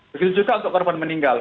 begitu juga untuk korban meninggal